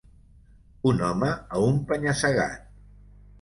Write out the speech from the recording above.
Un home a un penya-segat.